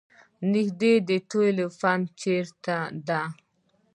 نیږدې د تیلو پمپ چېرته ده؟